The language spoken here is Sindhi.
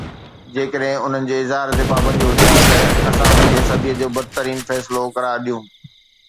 جيڪڏهن انهن جي اظهار تي پابندي هجي ها ته اسان ان کي صدي جو بدترين فيصلو قرار ڏيون ها